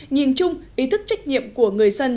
nhìn chung ý thức trách nhiệm của người dân